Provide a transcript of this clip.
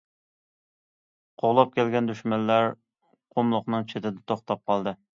قوغلاپ كەلگەن دۈشمەنلەر قۇملۇقنىڭ چېتىدە توختاپ قالدى.